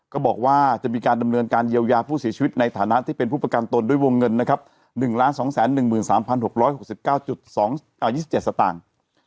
ก็บอกว่าจะมีการดำเนินการเยียวยาผู้เสียชีวิตในฐานะที่เป็นผู้ประกันตนด้วยวงเงินนะครับ๑๒๑๓๖๖๙๒๗สตางค์